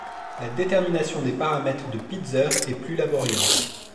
La détermination des paramètres de Pitzer est plus laborieuse.